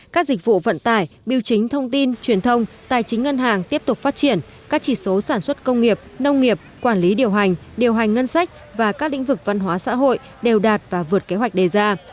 các dịch vụ vận tải biểu chính thông tin truyền thông tài chính ngân hàng tiếp tục phát triển các chỉ số sản xuất công nghiệp nông nghiệp quản lý điều hành điều hành ngân sách và các lĩnh vực văn hóa xã hội đều đạt và vượt kế hoạch đề ra